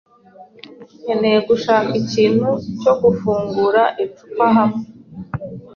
Nkeneye gushaka ikintu cyo gufungura icupa hamwe.